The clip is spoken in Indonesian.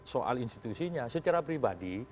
soal institusinya secara pribadi